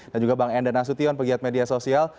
dan juga bang enda nasution pegiat media sosial